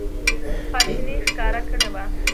خواشیني ښکاره کړې وه.